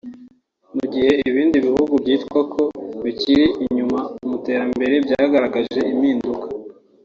mu gihe ibindi bihugu byitwa ko bikiri inyuma mu iterambere byagaragaje impinduka